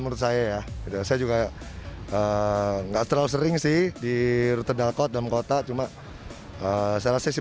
menurut saya ya saya juga enggak terlalu sering sih di rute dalkot dalam kota cuma saya rasa sih